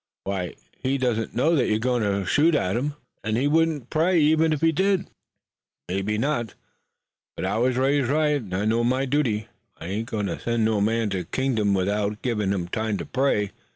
"Why, he doesn't know that you're going to shoot at him, and he wouldn't pray, even if he did." "Mebbe not, but I was raised right, an' I know my duty. I ain't goin' to send no man to kingdom without givin' him time to pray.